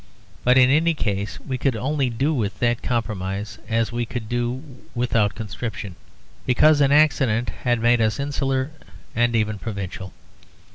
But in any case we could only do with that compromise as we could do without conscription; because an accident had made us insular and even provincial.